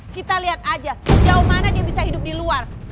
kita lihat aja jauh mana dia bisa hidup di luar